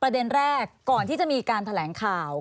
แรกก่อนที่จะมีการแถลงข่าว